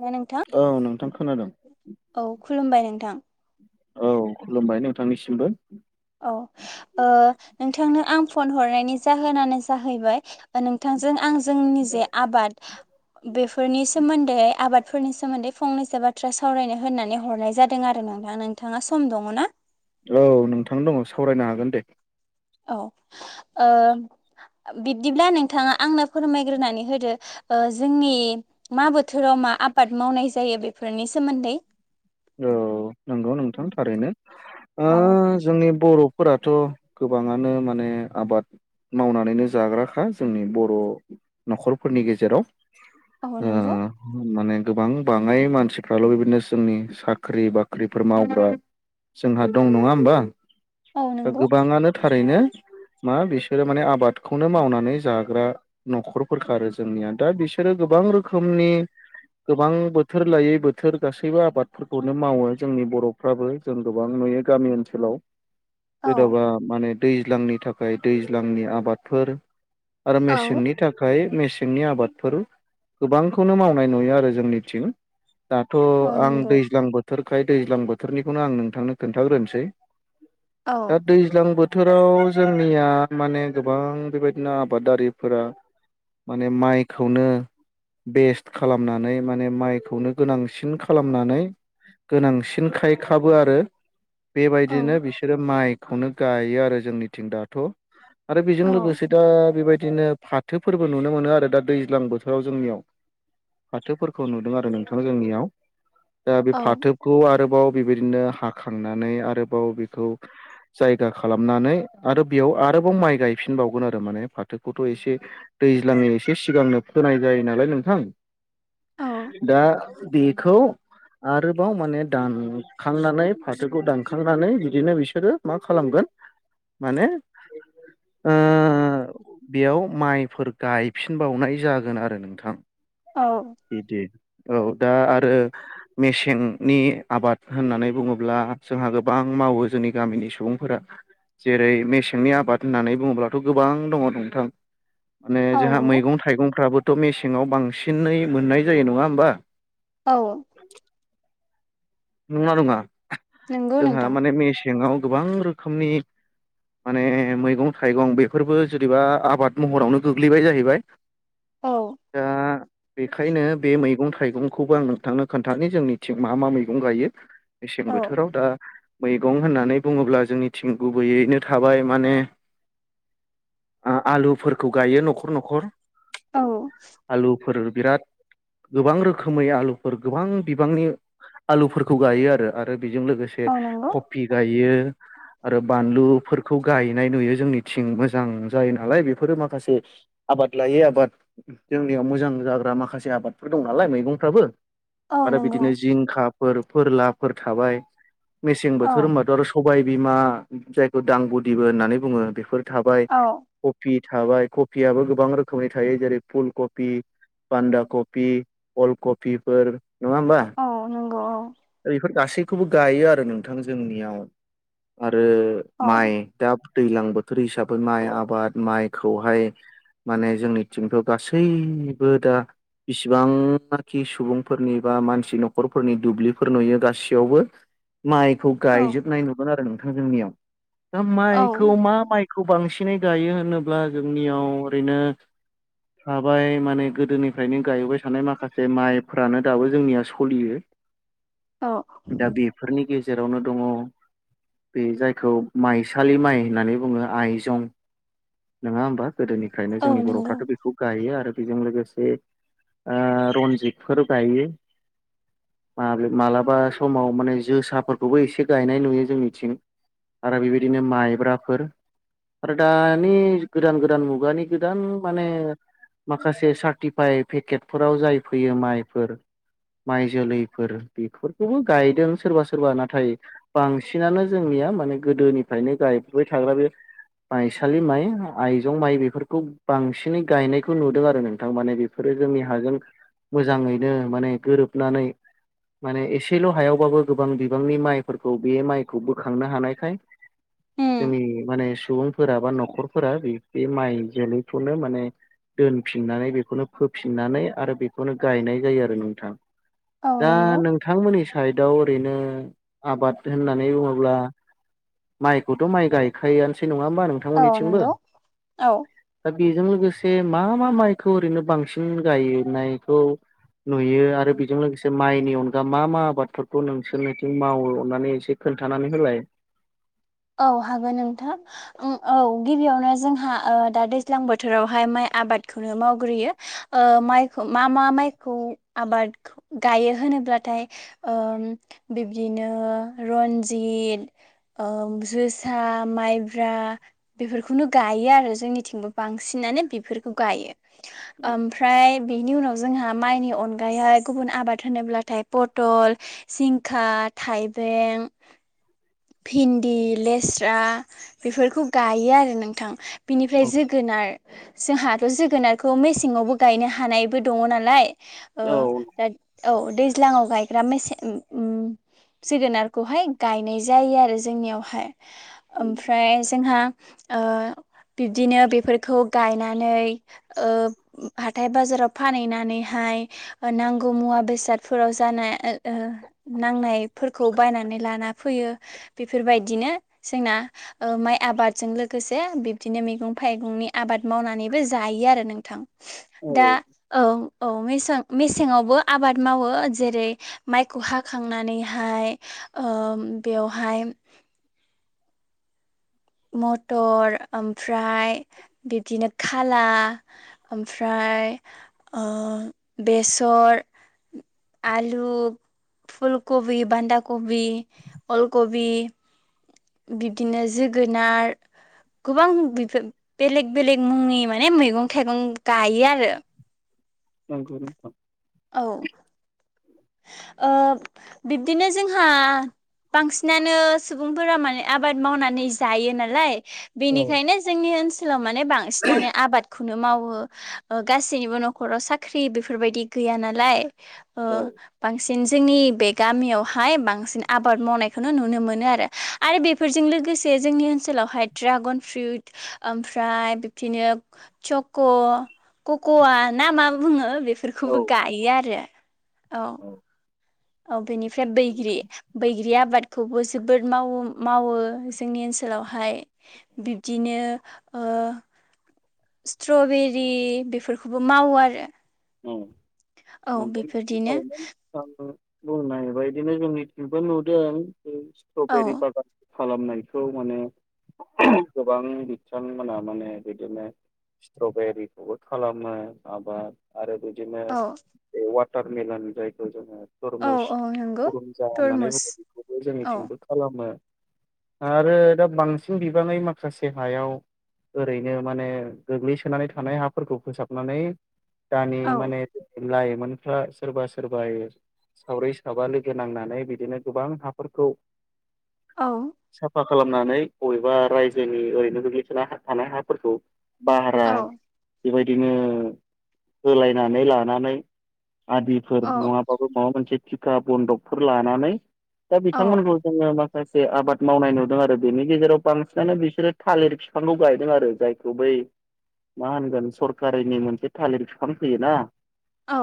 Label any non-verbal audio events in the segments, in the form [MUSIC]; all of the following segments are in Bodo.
ना नोंथां औ नोंथां खोनादों औ खुलुमबाय नोंथां औ खुलुमबाय नोंथांनिसिमबो औ ओ नोंथांनो आं फन हरनायनि जाहोनानो जाहैबाय नोंथांजों आं जोंनि जे आबाद बेफोरनि सोमोन्दै आबाद फोरनि सोमोन्दै फंनैसो बाथ्रा सावरायनो होननानै हरनाय जादों आरो नोंथां नोंथाङा सम दङ ना औ नोंथां दङ सावरायनो हागोन दे औ ओह बिब्दिब्ला नोंथाङा आंनो फोरमायग्रोनानै होदो ओ जोंनि मा बोथोराव मा आबाद मावनाय जायो बेफोरनि सोमोन्दै औ नंगौ नोंथां थारैनो औ ओह जोंनि बर' फोराथ' गोबाङानो माने आबाद मावनानैनो जाग्राखा जोंनि बर' न'खरफोरनि गेजेराव औ ओ नंगौ माने गोबां बाङाय मानसिफ्राल' बिबायदिनो जोंनि साख्रि बाख्रिफोर मावग्रा जोंहा दं नङा होमबा औ दा नंगौ गोबाङानो थारैनो मा बिसोरो माने आबादखौनो मावनानै जाग्रा न'खरफोरखा जोंनिया दा बिसोरो गोबां रोखोमनि गोबां बोथोर लायै बोथोर गासैबो आबाद फोरखौनो मावो जोंनि बर'फ्राबो जों गोबां नुयो गामि ओनसोलाव औ जेन'बा माने दैज्लांनि थाखाय दैज्लांनि आबादफोर आरो औ मेसेंनि थाखाय मेसेंनि आबादफोर गोबांखौनो मावनाय नुयो आरो जोंनिथिं दाथ' औ आं नंगौ दैज्लां बोथोरखाय दैज्लां बोथोरनिखौनो आं नोंथांनो खोन्थाग्रोनोसै औ दा दैज्लां बो बोथोराव जोंनिया माने गोबां बेबायदिनो आबादारिफोरा माने माइखौनो बेस्ट खालामनानै माने माइखौनो गोनांसिन खालामनानै गोनांसिन खायखाबो आरो औ बेबायदिनो बिसोरो माइ खौनो गायो आरो जोंनिथिं दाथ' आरो बेजों औ लोगोसे दा बेबायदि बिदिनो फाथो फोरबो नुनो मोनो आरो दा दैज्लां बोथोराव जोंनियाव फाथोफोरखौ नुदों आरो नोंथाङा जोंनियाव दा बे औ फाथोखौ आरोबाव बेबायदिनो हाखांनानै आरोबाव बेखौ जायगा खालामनानै आरो बेयाव आरोबाव माइ गायफिनबावगोन आरो माने फाथोखौथ' एसे दैज्लांनि एसे सिगांनो फोनाय जायो नालाय नोंथां औ दा बेखौ आरोबाव माने दानखांनानै फाथोखौ दानखांनानै बिदिनो बिसोरो मा खालामगोन माने ओह बेयाव माइफोर गायफिनबावनाय जागोन आरो नोंथां औ बिदि औ दा आरो मेसेंनि आबाद होननानै बुङोब्ला जोंहा गोबां मावो जोंनि गामिनि सुबुंफोरा जेरै मेसेंनि आबाद होननानै बुङोब्लाथ' गोबां दङ नोंथां माने औ जोंहा नंगौ मैगं थाइगंफ्राबोथ' मेसेङाव बांसिनै मोननाय जायो नङा होमबा औ नंना नङा नंगौ जोंहा नोंथां माने मेसेङाव गोबां रोखोमनि माने मैगं थाइगं बेफोरबो जुदिबा आबाद महरावनो गोग्लैबाय जाहैबाय औ दा बेखायनो बे मैगं थाइगंखौबो आं नोंथांनो खोन्थानि जोंनिथिं मा मा मैगं गायो मेसें औ बोथोराव दा मैगं होननानै बुङोब्ला जोंनिथिं गुबैयैनो थाबाय माने आलुफोरखौ गायो न'खर न'खर औ फोर बिराद गोबां रोखोमै आलुफोर गोबां बिबांनि आलुफोरखौ गायो आरो आरो बेजों लोगोसे औ नंगौ कफि गायो आरो बानलुफोरखौ गायनाय नुयो जोंनिथिं मोजां जायो नालाय बेफोरो माखासे आबाद लायै आबाद जोंनियाव मोजां जाग्रा माखासे आबादफोर दं नालाय मैगंफ्राबो औ आरो नंगौ बिदिनो जिंखाफोर फोरलाफोर थाबाय मेसें औ बोथोर होनबाथ' आरो सब सबाय बिमा जायखौ दां बुदिबो होननानै बुङो बेफोर थाबाय औ कफि थाबाय कफियाबो गोबां रोखोमनि थायो जेरै फुल कफि बान्दा कपि अल कपिफोर औ नंगौ औ दा बेफोर गासैखौबो गायो आरो नोंथां जोंनियाव आरो आरो औ माइ दा दैज्लां बोथोर हिसाबै माइ आबाद माइखौहाय माने जोंनिथिंथ' गासैबो दा बिसिबांनाखि सुबुंफोरनि बा मानसि न'खर फोरनि दुब्लिफोर नुयो गासैयावबो माइखौ औ गायजोबनाय नुगोन आरो जोंनियाव दा औ माइखौ मा माइखौ बांसिन सिनै गायो होनोब्ला जोंनियाव ओरैनो थाबाय माने गोदोनिफ्रायनो गायबाय थानाय माखासे माइफ्रानो दाबो जोंनिया सलियो औ दा बेफोरनि गेजेरावनो दङ बे जायखौ माइसालि माइ होननानै बुङो आइजं नङा होमबा गोदोनिफ्रायनो औ जोंनि नंगौ बर'फ्राथ' बेखौ गायो आरो बेजों लोगोसे ओह रन्जितफोर गायो माबे माब्लाबा समाव माने जोसाफोरखौबो एसे गायनाय नुयो जोंनिथिं आरो बेबायदिनो माइब्राफोर आरो दानि गोदान गोदान मुगानि गोदान माने माखासे सार्टिफाइ पेकेटफोराव जाय फैयो माइफोर माइ जोलैफोर बेफोरखौबो गायदों सोरबा सोरबा नाथाय बांसिनानो जोंनिया माने गोदोनिफ्रायनो गायबोबाय थाग्रा बे माइसालि माइ आइजं माइ बेफोरखौ बांसिनै गायनायखौ नुदों आरो नोंथां माने बेफोर जोंनि हाजों मोजाङैनो माने गोरोबनानै माने एसेल' हायावबाबो गोबां बिबांनि माइफोरखौ बे माइखौ बोखांनो हानायखाय उम जोंनि माने सुबुंफोरा बा न'खरफोरा बे बे माइ जोलैखौनो माने दोनफिननानै बेखौनो फोफिननानै आरो बेखौनो गायनाय जायो आरो नोंथां औ दा नंगौ नोंथांमोननि साइदआव ओरैनो आबाद होननानै बुङोब्ला माइखौथ' माइ गायखायो नङा होमबा औ नोंथांमोननिथिंबो नंगौ औ बेजों लोगोसे मा मा माइखौ ओरैनो बांसिन गायनायखौ नुयो आरो बेजों लोगोसे माइनि अनगा मा मा आबादफोरखौ नोंसोरनिथिं मावो अननानै एसे खोनथानानै होलाय [INAUDIBLE] औ हागोन नोंथां औ गिबियावनो जोंहा दा दैज्लां बोथोरावहाय माइ आबादखौनो मावग्रोयो ओह माइखौ मा मा माइखौ आबाद गायो होनो होनोब्लाथाय ओ बिबदिनो रनजित‌ ओ जोसा माइब्रा बेफोरखौनो गायो आरो जोंनिथिंबो बांसिनानो बेफोरखौ गायो ओमफ्राय बेनि उनाव जोंहा माइनि अनगायैहाय गुबुन आबाद होनोब्ला थाय पथल जिंखा थाइबें भिन दि लेस्रा बेफोरखौ गायो आरो नोंथां बेनिफ्राय औ जोगोनार जोंहाथ' जोगोनारखौ मेसेङावबो गायनो हानायबो दङ नालाय ओ औ दा औ दैज्लाङाव गायग्रा मेसें उम जोगोनारखौहाय गायनाय जायो आरो जोंनियाव बेहाय ओमफ्राय जोंहा ओ बिब्दिनो बेफोरखौ गायनानै ओ हाथाय बाजाराव फानहैनानैहा य नांगौ मुवा बेसादफोराव जानाय ओ नांनायफोरखौ बायनानै लाना फैयो बेफोरबाय दिनो जोंना ओ माइ आबादजों लोगोसे बिबदिनो मैगं- थाइगंनि आबाद मावनानै बो जायो आरो नोंथां औ दा औ औ मेसें मेसेङावबो आबाद मावो जेरै माइखौ हाखांनानैहाय ओ बेवहाय मटर ओमफ्राय बिबदिनो खाला ओमफ्रा- य ओ बेसर आलु फुलकबि, बान्धाकबि, अलकबि बिदिनो जोगोनार गोबां बेफोर बेलेग बेलेग मुंनि माने मैगं-थाइगं गायो आरो नंगौ नोंथां औ ओ बिबदिनो जोंहा बांसिनानो सुबुंफोरा माने आबाद मावनानै जायो नालाय औ बेनिखायनो जोंनि ओन सोलाव माने बांसिनानो आबादखौनो मावो ओ गासैनिबो न'खराव साख्रि बेफोरबायदि गैया नालाय ओ औ बां सिन जोंनि बे गामियावहाय बांसिन आबाद मावनायखौनो नुनो मोनो आरो आरो बेफोरजों लो गोसे जोंनि ओनसोलावहाय ड्रागन फ्रुट ओमफ्राय बिबदिगनो चक' कक'वा ना मा बुङो बे औ गायो आरो औ औ बेनिफ्राय बैग्रि बैग्रि आबादखौबो जोबोद मावो मावो जोंनि‌ ओनसोलावहाय बिबदिनो ओ स्ट्रबेरि बेफोरखौबो मावो आरो औ औ बेफोरदिनो [UNINTELLIGIBLE] बुंनायबायदिनो जोंनिथिंबो नुदों बे औ स्ट्रबेरि बागान खालामनायखौ माने गोबां बिथांमोना माने बिदिनो स्ट्रबेरिखौबो खालामो आबाद आरो बिदिनो औ बे वाटार मिलन जायखौ जोङो औ थुरमुस औ नंगौ गुरुमजा होननानै तरमुस बुङो बेखौबो औ जोंनिथिंबो खालामो आरो दा बांसिन बिबाङै माखासे हायाव ओरैनो माने गोग्लैसोनानै थानाय हाफोरखौ फोसाबनानै दानि औ माने लाइमोनफ्रा सोरबा सोरबायो साब्रै साबा लोगो नांनानै बिदिनो गोबां हाफोरखौ औ साफा खालामनानै बबेबा रायजोनि ओरैनो गोग्लैसोना थानाय हाफोरखौ भारा औ बेबायदिनो होलायनानै लानानै आदिफोर औ नङाबाबो माबा मोनसे थिखा बनदकफोर लानानै दा औ बिथांमोनखौ जोङो मा खासे आबाद मावनाय नुदों आरो बेनि गेजेराव बांसिनानो बिसोरो थालिर बिफांखौ गायदों आरो जायखौ बै मा होनगोन सरकारिनि मोनसे थालिर बिफां फैयोना औ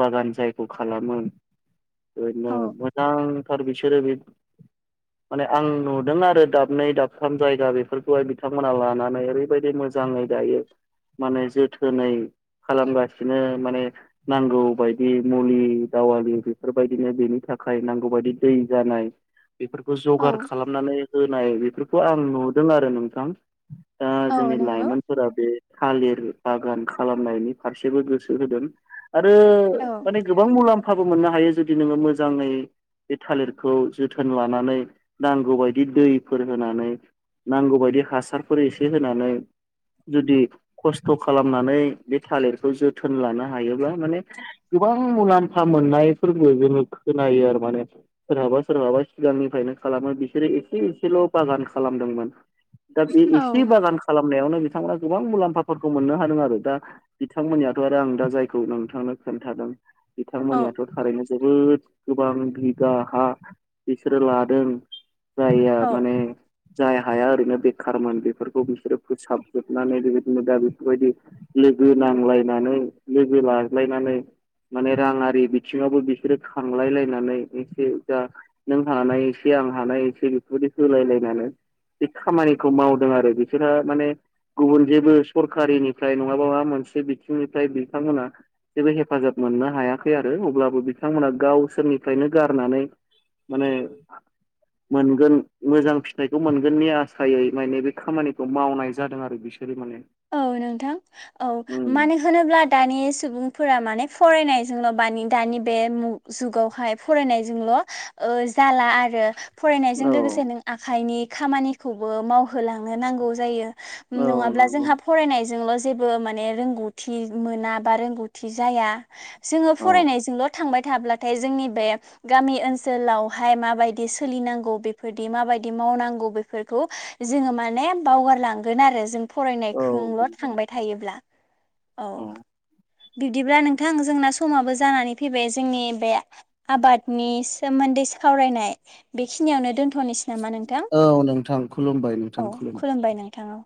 बागान जायखौ खालामो ओरैनो औ मोजांथार बिसोरो बे माने आं नुदों आरो दाबनै दाबथाम जायगा बेफोरखौहाय बिथांमोना लानानै ओरैबायदि मो जाङै गायो माने जोथोनै खालामगासिनो माने नांगौ बायदि मुलि दावालि बेफोरबायदिनो बेनि थाखाय नांगौ बायदि दै जानाय बेफोरखौ औ जगार खालामनानै होनाय बेफोरखौ आं नुदों आरो नोंथां दा औ जोंनि नंगौ लाइमोनफोरा बे थालिर बागानखौ खालामनायनि फारसेबो गोसो होदों आरो औ माने गोबां मुलामफा फाबो मोननो हायो जुदि नोङो मोजाङै बे थालिरखौ जोथोन लानानै नांगौ बायदि दैफोर होनानै नांगौबादि हासारफोर एसे होनानै जुदि खस्थ' खालामनानै बे थालिरखौ जोथोन लानो हायोब्ला माने गोबां मुलाम्फा मोननायफोरबो जोङो खोनायो आरो माने सोरहाबा सोरहाबा सिगांनिफ्रायनो खालामो बिसोरो एसे एसेल' बागान खालामो दा बे औ एसे बागान खालामनायावनो बिथांमोना गोबां मुलाम्फाफोरखौ मोननो हादों आरो दा बिथांमोननियाथ' आरो आं दा जायखौ नोंथांनो खोन्थादों औ बिथांमोननियाथ' थारैनो जोबोद गोबां बिगा हा बिसोरो लादों जायहा औ माने जाय हाया ओरैनो बेखारमोन बेफोरखौ बिसोरो फोसाबजोबनानै बेबायदिनो दा बेफोरबायदि लोगो नांलायनानै लोगो लाज्लायनानै माने राङारि बिथिङावबो बिसोरो खांलाय लायनानै एसे जा नों हानाय एसे आं हानाय एसे बेफोरबायदि होलायलायनानै बे खामानिखौ मावदों आरो बिसोरहा माने गुबुन जेबो सरकारिनिफ्राय माबा मोनसे बिथिंनिफ्राय बिथांमोना जेबो हेफाजाब मोननो हायाखै आरो अब्लाबो बिथांमोना गावसोरनिफ्रायनो गारनानै माने मोनगोन मोजां फिथाइखौ मोनगोननि आसायै माने बे खामानिखौ मावनाय जादों आरो बिसोरो माने औ नोंथां औ मानो होनोब्ला दानि सुबुं फोरा माने फरायनायजोंल' बानि दानि बे जुगावहाय फरायनायजोंल' ओ जाला आरो फरायनायजों लोगोसे नों आखाइनि खामानिखौबो मावहोलांनो नांगौ जायो औ नङाब्ला नंगौ जोंहा फरायनायजोंल' जेबो माने रोंगौथि मोना बा रोंगौथि जाया जोङो औ फरायनायजोंल' थांबाय थाब्लाथाय जोंनि बे गामि ओनसोलावहाय माबायदि सोलिनांगौ बेफोरदि माबायदि माव मावनांगौ बेफोरखौ जोङो माने बावगारलांगोन आरो जों फराय औ नायजोंल' नंगौ थांबाय थायोब्ला औ बिब्दिब्ला नोंथां जोंना समाबो जानानै फैबाय जोंनि बे आबादनि सोमोन्दै सावरायनाय बेखिनियावनो दोन थ'निसै नामा नोंथां औ नोंथां खुलुमबाय औ नोंथां खुलुमबाय नोंथां औ